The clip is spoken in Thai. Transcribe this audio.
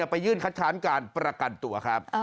ไปยื่นคัดค้านการประกันตัวครับ